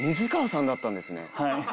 はい。